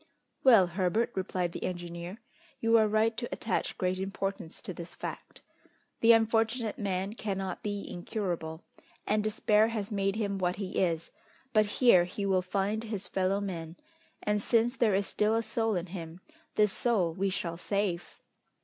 "Well, Herbert," replied the engineer, "you are right to attach great importance to this fact. The unfortunate man cannot be incurable, and despair has made him what he is; but here he will find his fellow men, and since there is still a soul in him, this soul we shall save!"